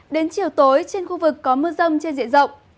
đến chiều tối trên khu vực có mưa rông trên diện rộng